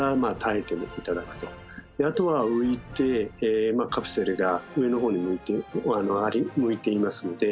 あとは浮いてカプセルが上の方に向いていますので。